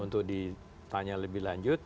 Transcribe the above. untuk ditanya lebih lanjut